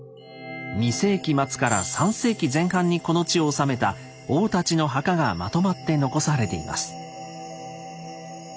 ２世紀末から３世紀前半にこの地を治めた王たちの墓がまとまって残されています。